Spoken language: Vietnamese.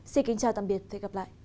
xin kính chào tạm biệt và hẹn gặp lại